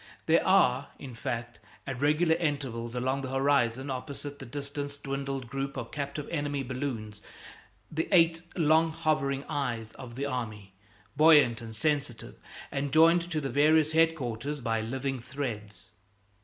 There are, in fact, at regular intervals along the horizon, opposite the distance dwindled group of captive enemy balloons, the eight long hovering eyes of the army, buoyant and sensitive, and joined to the various headquarters by living threads.